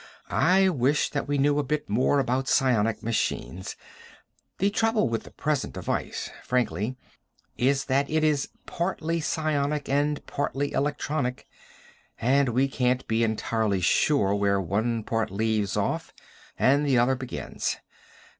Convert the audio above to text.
"I wish that we knew a bit more about psionic machines. The trouble with the present device, frankly, is that it is partly psionic and partly electronic, and we can't be entirely sure where one part leaves off and the other begins.